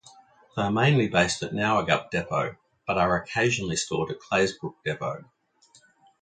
They are mainly based at Nowergup depot but are occasionally stored at Claisebrook Depot.